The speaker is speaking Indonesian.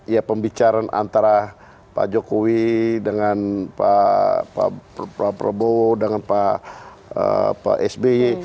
ya pembicaraan antara pak jokowi dengan pak prabowo dengan pak sby